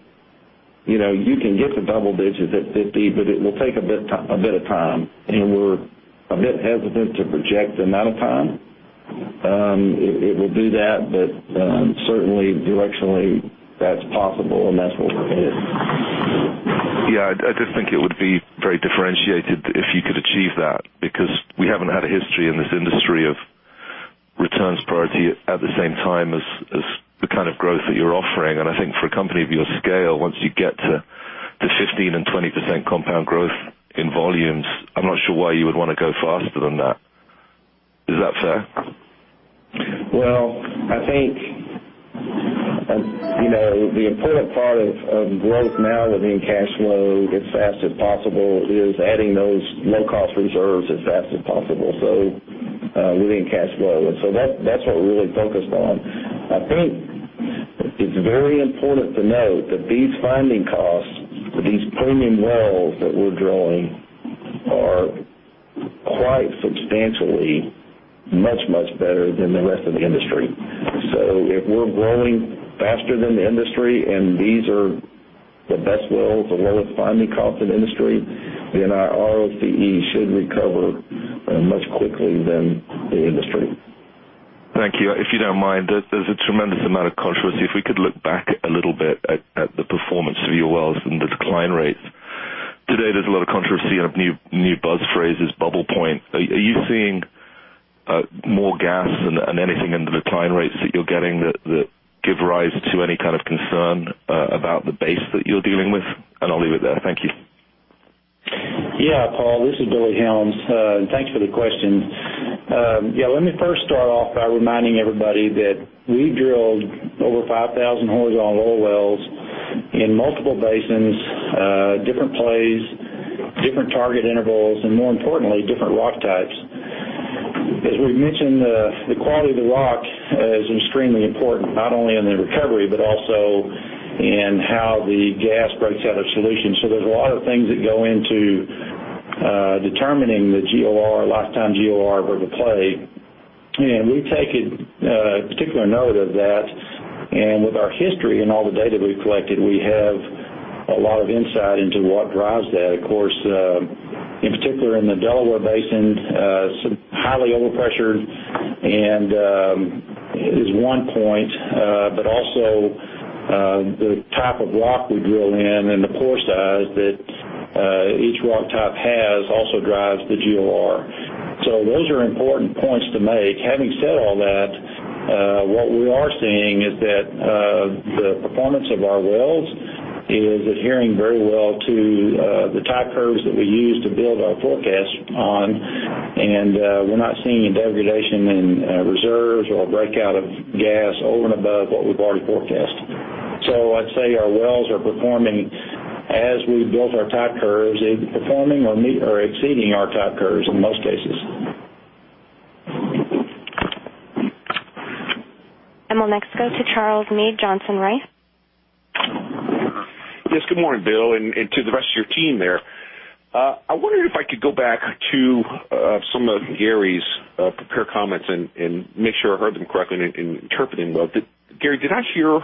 you can get to double digits at 50, but it will take a bit of time, and we're a bit hesitant to project the amount of time. It will do that, but certainly directionally, that's possible, and that's what we're headed. Yeah, I just think it would be very differentiated if you could achieve that, because we haven't had a history in this industry of returns priority at the same time as the kind of growth that you're offering. I think for a company of your scale, once you get to the 15% and 20% compound growth in volumes, I'm not sure why you would want to go faster than that. Is that fair? Well, I think the important part of growth now within cash flow as fast as possible is adding those low-cost reserves as fast as possible, within cash flow. That's what we're really focused on. I think it's very important to note that these finding costs for these premium wells that we're drilling are quite substantially much, much better than the rest of the industry. If we're growing faster than the industry, and these are the best wells, the lowest finding cost in the industry, then our ROCE should recover much quickly than the industry. Thank you. If you don't mind, there's a tremendous amount of controversy. If we could look back a little bit at the performance of your wells and decline rates. Today, there's a lot of controversy on new buzz phrases, bubble point. Are you seeing more gas than anything in the decline rates that you're getting that give rise to any kind of concern about the base that you're dealing with? I'll leave it there. Thank you. Yeah, Paul, this is Billy Helms. Thanks for the question. Let me first start off by reminding everybody that we drilled over 5,000 horizontal oil wells in multiple basins, different plays, different target intervals, and more importantly, different rock types. As we've mentioned, the quality of the rock is extremely important, not only in the recovery, but also in how the gas breaks out of solution. There's a lot of things that go into determining the lifetime GOR of a play. We've taken particular note of that, and with our history and all the data we've collected, we have a lot of insight into what drives that. Of course, in particular in the Delaware Basin, it's highly overpressured and is one point. Also, the type of rock we drill in and the pore size that each rock type has also drives the GOR. Those are important points to make. Having said all that, what we are seeing is that the performance of our wells is adhering very well to the type curves that we use to build our forecast on, and we're not seeing any degradation in reserves or breakout of gas over and above what we've already forecasted. I'd say our wells are performing as we built our type curves, either performing or exceeding our type curves in most cases. We'll next go to Charles Meade, Johnson Rice. Yes. Good morning, Bill, and to the rest of your team there. I wondered if I could go back to some of Gary's prepared comments and make sure I heard them correctly and interpreting them well. Gary, did I hear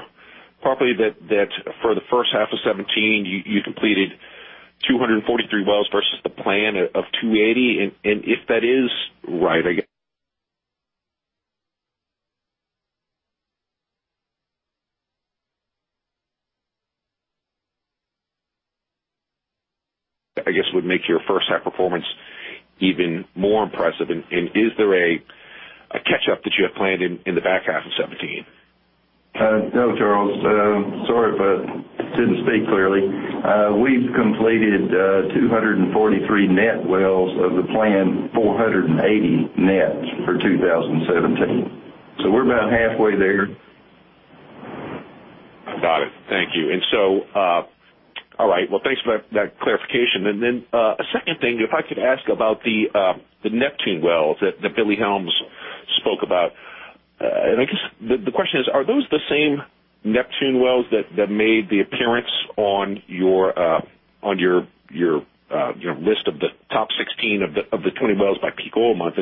properly that for the first half of 2017, you completed 243 wells versus the plan of 280? If that is right, I guess would make your first half performance even more impressive. Is there a catch-up that you have planned in the back half of 2017? No, Charles. Sorry if I didn't speak clearly. We've completed 243 net wells of the planned 480 net for 2017. We're about halfway there. Thank you. All right. Well, thanks for that clarification. A second thing, if I could ask about the Neptune wells that Billy Helms spoke about. I guess the question is, are those the same Neptune wells that made the appearance on your list of the top 16 of the 20 wells by peak oil a month?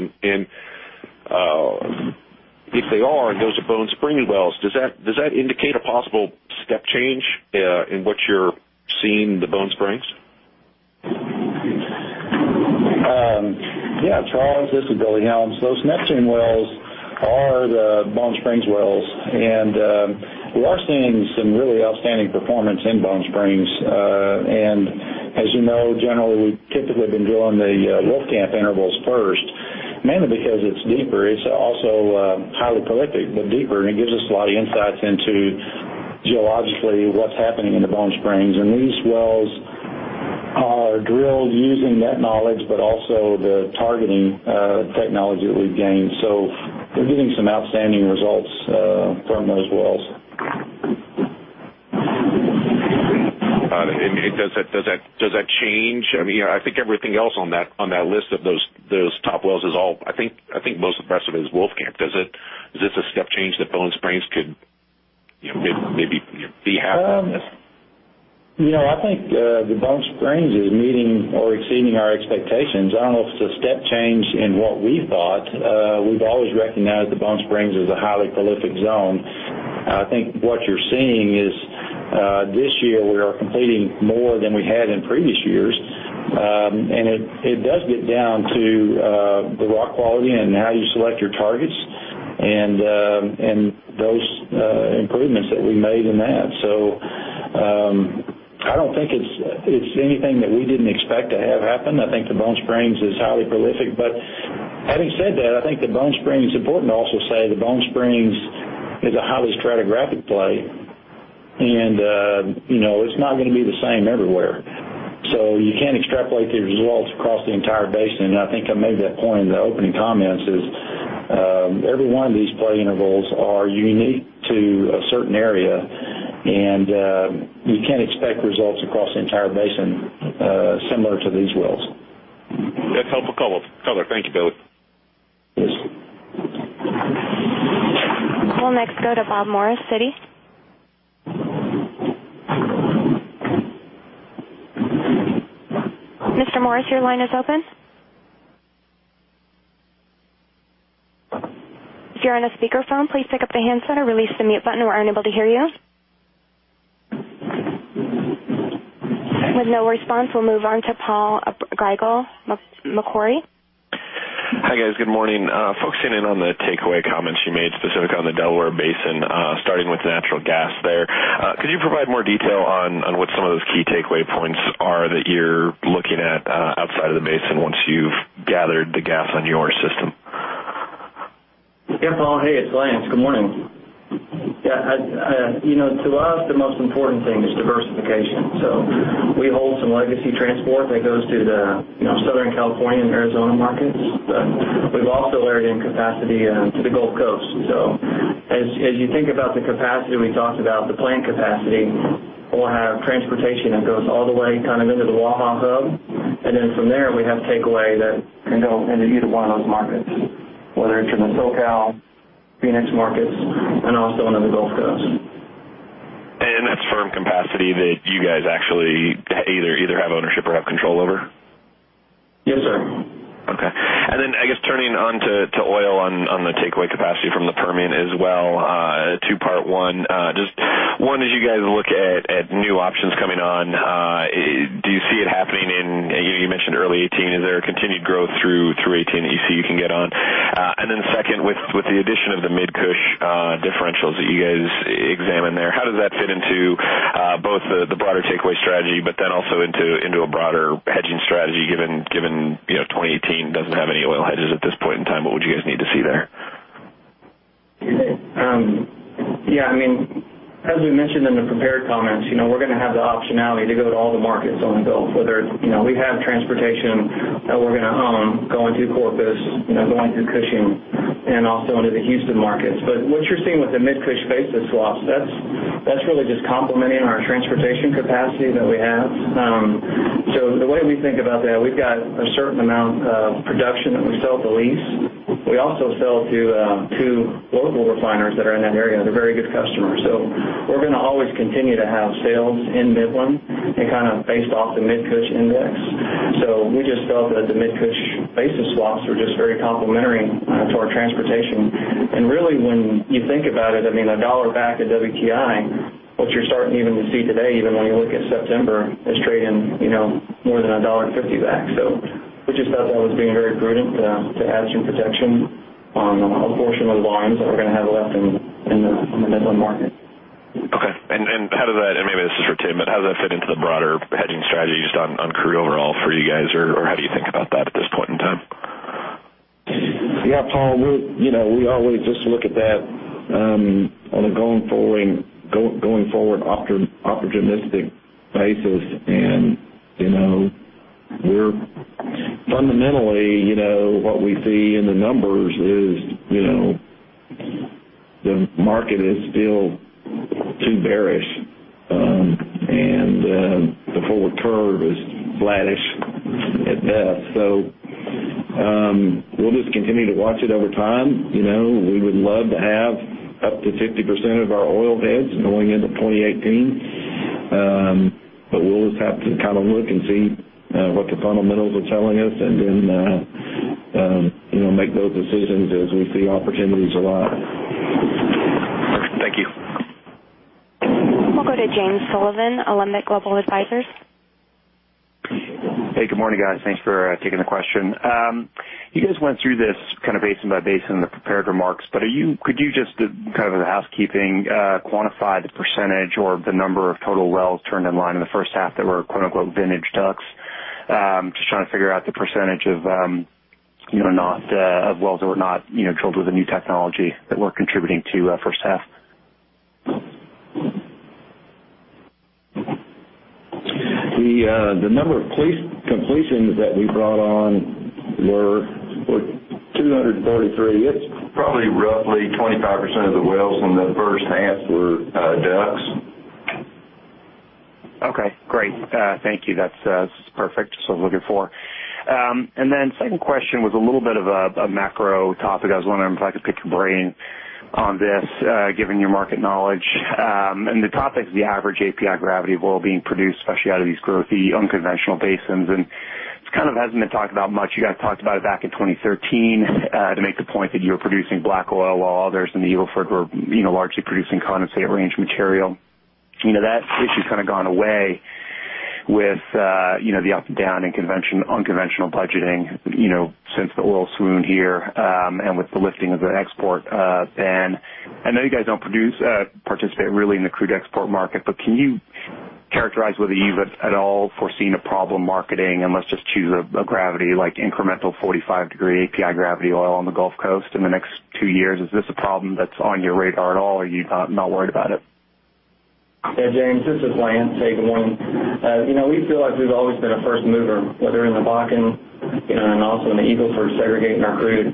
If they are, and those are Bone Spring wells, does that indicate a possible step change in what you're seeing in the Bone Springs? Yeah, Charles, this is Billy Helms. Those Neptune wells are the Bone Springs wells. We are seeing some really outstanding performance in Bone Springs. As you know, generally, we've typically been drilling the Wolfcamp intervals first, mainly because it's deeper. It's also highly prolific, but deeper, and it gives us a lot of insights into geologically what's happening in the Bone Springs. These wells are drilled using that knowledge, but also the targeting technology that we've gained. We're getting some outstanding results from those wells. Got it. Does that change I think everything else on that list of those top wells is all I think most of the rest of it is Wolfcamp. Is this a step change that Bone Springs could maybe be half of this? I think the Bone Springs is meeting or exceeding our expectations. I don't know if it's a step change in what we thought. We've always recognized that Bone Springs is a highly prolific zone. I think what you're seeing is, this year, we are completing more than we had in previous years. It does get down to the rock quality and how you select your targets and those improvements that we made in that. I don't think it's anything that we didn't expect to have happen. I think the Bone Springs is highly prolific. Having said that, I think the Bone Springs, important to also say, the Bone Springs is a highly stratigraphic play, and it's not going to be the same everywhere. You can't extrapolate the results across the entire basin. I think I made that point in the opening comments is every one of these play intervals are unique to a certain area, and you can't expect results across the entire basin similar to these wells. That's helpful color. Thank you, Billy. Yes. We'll next go to Bob Morris, Citi. Mr. Morris, your line is open. If you're on a speakerphone, please pick up the handset or release the mute button. We're unable to hear you. With no response, we'll move on to Paul Grigel, Macquarie. Hi, guys. Good morning. Focusing in on the takeaway comments you made specific on the Delaware Basin, starting with natural gas there. Could you provide more detail on what some of those key takeaway points are that you're looking at outside of the basin once you've gathered the gas on your system? Yeah, Paul. Hey, it's Lance. Good morning. To us, the most important thing is diversification. We hold some legacy transport that goes to the Southern California and Arizona markets, but we've also layered in capacity to the Gulf Coast. As you think about the capacity we talked about, the planned capacity, we'll have transportation that goes all the way into the Waha hub. From there, we have takeaway that can go into either one of those markets, whether it's in the SoCal, Phoenix markets, and also into the Gulf Coast. That's firm capacity that you guys actually either have ownership or have control over? Yes, sir. Okay. I guess, turning on to oil on the takeaway capacity from the Permian as well. A two-part one. One, as you guys look at new options coming on, do you see it happening in, you mentioned early 2018, is there a continued growth through 2018 that you see you can get on? Second, with the addition of the Mid-Cush differentials that you guys examine there, how does that fit into both the broader takeaway strategy, but then also into a broader hedging strategy given 2018 doesn't have any oil hedges at this point in time? What would you guys need to see there? Yeah. As we mentioned in the prepared comments, we're going to have the optionality to go to all the markets on the build. We have transportation that we're going to own going to Corpus, going through Cushing, and also into the Houston markets. What you're seeing with the Mid-Cush basis swaps, that's really just complementing our transportation capacity that we have. The way we think about that, we've got a certain amount of production that we sell to lease. We also sell to local refiners that are in that area. They're very good customers. We're going to always continue to have sales in Midland and based off the Mid-Cush index. We just felt that the Mid-Cush basis swaps were just very complementary to our transportation. Really, when you think about it, $1 back of WTI, what you're starting even to see today, even when you look at September, is trading more than a $1.50 back. We just felt that was being very prudent to add some protection on a portion of the volumes that we're going to have left in the Midland market. Okay. How does that, and maybe this is for Tim, but how does that fit into the broader hedging strategies on crude overall for you guys? How do you think about that at this point in time? Yeah, Paul, we always just look at that on a going forward opportunistic basis. Fundamentally, what we see in the numbers is the market is still too bearish, and the forward curve is flattish at best. We'll just continue to watch it over time. We would love to have up to 50% of our oil hedges going into 2018, but we'll just have to look and see what the fundamentals are telling us and then make those decisions as we see opportunities arise. Thank you. We'll go to James Sullivan, Alembic Global Advisors. Hey, good morning, guys. Thanks for taking the question. You just went through this basin by basin in the prepared remarks, could you just, kind of as a housekeeping, quantify the percentage or the number of total wells turned online in the first half that were "vintage DUCs?" Just trying to figure out the percentage of wells that were not drilled with the new technology that were contributing to first half. The number of completions that we brought on were 243. It's probably roughly 25% of the wells in the first half were DUCs. Okay, great. Thank you. That's perfect. That's what I was looking for. Second question was a little bit of a macro topic. I was wondering if I could pick your brain on this, given your market knowledge. The topic is the average API gravity of oil being produced, especially out of these growthy unconventional basins, this kind of hasn't been talked about much. You guys talked about it back in 2013 to make the point that you were producing black oil while others in the Eagle Ford were largely producing condensate range material. That issue's kind of gone away with the up and down in unconventional budgeting since the oil swoon here, with the lifting of the export ban. I know you guys don't participate really in the crude export market, but can you characterize whether you've at all foreseen a problem marketing, and let's just choose a gravity, like incremental 45 degree API gravity oil on the Gulf Coast in the next two years. Is this a problem that's on your radar at all, or are you not worried about it? Yeah, James, this is Lance. Hey, good morning. We feel like we've always been a first mover, whether in the Bakken, and also in the Eagle Ford segregating our crude.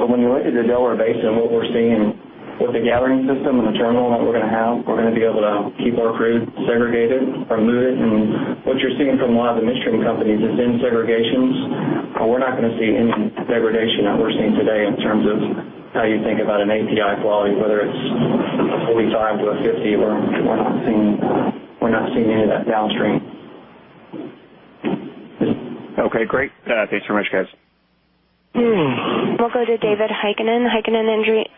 When you look at the Delaware Basin, what we're seeing with the gathering system and the terminal that we're going to have, we're going to be able to keep our crude segregated or moved. What you're seeing from a lot of the midstream companies is in segregations. We're not going to see any segregation that we're seeing today in terms of how you think about an API quality, whether it's a 45 to a 50, we're not seeing any of that downstream. Okay, great. Thanks very much, guys. We'll go to David Heikkinen, Heikkinen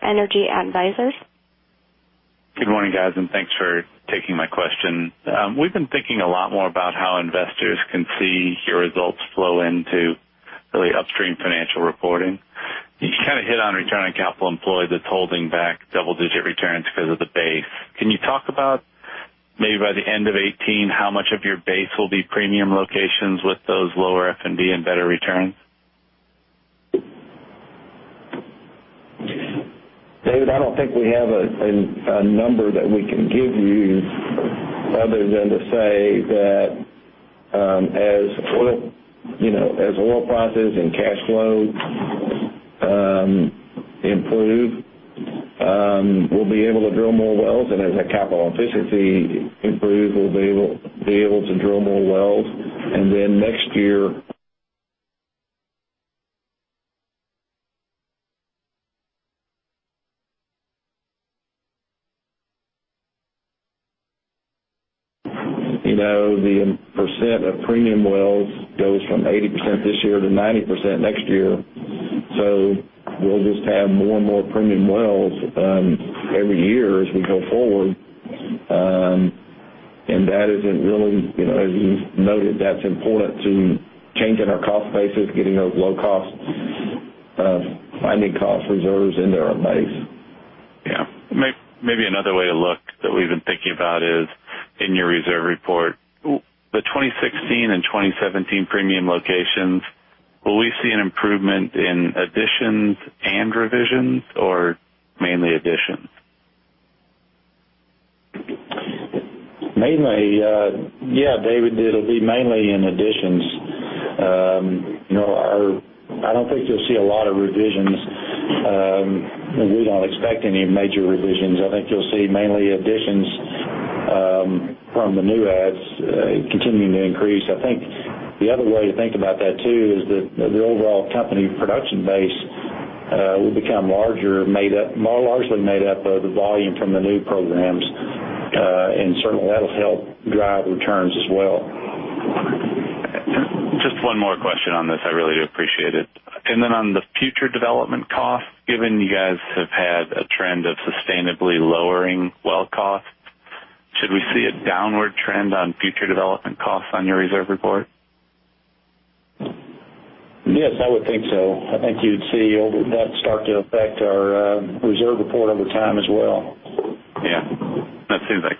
Energy Advisors. Good morning, guys, and thanks for taking my question. We've been thinking a lot more about how investors can see your results flow into really upstream financial reporting. You hit on Return on Capital Employed that's holding back double-digit returns because of the base. Can you talk about maybe by the end of 2018, how much of your base will be premium locations with those lower F&D and better returns? David, I don't think we have a number that we can give you other than to say that as oil prices and cash flow improve, we'll be able to drill more wells, and as that capital efficiency improves, we'll be able to drill more wells. Next year, the % of premium wells goes from 80% this year to 90% next year. We'll just have more and more premium wells every year as we go forward. As you've noted, that's important to changing our cost basis, getting those low costs, finding cost reserves in their base. Yeah. Maybe another way to look that we've been thinking about is in your reserve report, the 2016 and 2017 premium locations, will we see an improvement in additions and revisions or mainly additions? Yeah, David, it'll be mainly in additions. I don't think you'll see a lot of revisions. We don't expect any major revisions. I think you'll see mainly additions from the new adds continuing to increase. I think the other way to think about that too is that the overall company production base will become more largely made up of the volume from the new programs, certainly that'll help drive returns as well. Just one more question on this. I really do appreciate it. On the future development cost, given you guys have had a trend of sustainably lowering well cost, should we see a downward trend on future development costs on your reserve report? Yes, I would think so. I think you'd see that start to affect our reserve report over time as well. Yeah. That seems like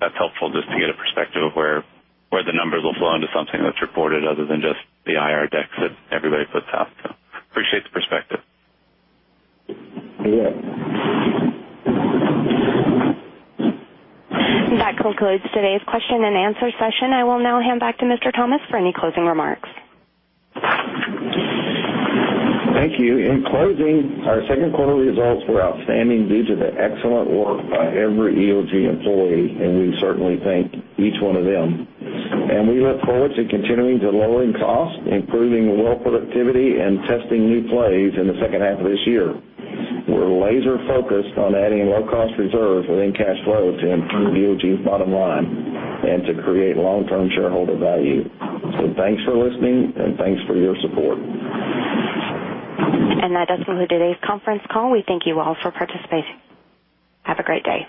that's helpful just to get a perspective of where the numbers will flow into something that's reported other than just the IR decks that everybody puts out. Appreciate the perspective. Yeah. That concludes today's question and answer session. I will now hand back to Mr. Thomas for any closing remarks. Thank you. In closing, our second quarter results were outstanding due to the excellent work by every EOG employee, and we certainly thank each one of them. We look forward to continuing to lowering costs, improving well productivity, and testing new plays in the second half of this year. We're laser focused on adding low-cost reserves and then cash flow to improve EOG's bottom line and to create long-term shareholder value. Thanks for listening and thanks for your support. That does conclude today's conference call. We thank you all for participating. Have a great day.